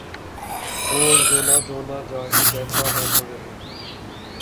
اوررونا دھونا جاری رہتاہے تو رہے۔